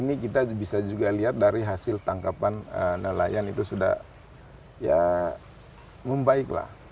dan kini kita bisa juga lihat dari hasil tangkapan nelayan itu sudah ya membaiklah